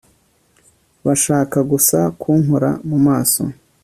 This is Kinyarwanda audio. bashaka gusa kunkora mu maso